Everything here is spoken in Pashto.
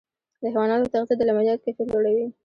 د حیواناتو تغذیه د لبنیاتو کیفیت لوړوي.